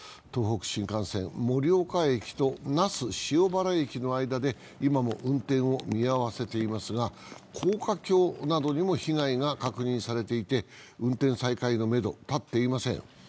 東北新幹線、盛岡駅と那須塩原駅の間で今も運転を見合わせていますが高架橋などにも被害が確認されていて運転再開のめどは立っていません。